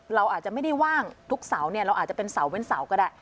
เราอาจจะไม่ได้ว่างทุกเสาร์เนี่ยเราอาจจะเป็นเสาเว้นเสาร์ก็ได้